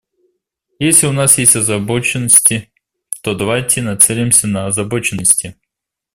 Если у нас есть озабоченности, то давайте нацелимся на озабоченности.